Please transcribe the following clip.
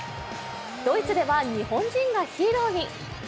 ドイツでは日本人がヒーローに？